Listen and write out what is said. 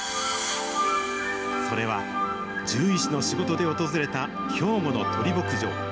それは、獣医師の仕事で訪れた兵庫の鳥牧場。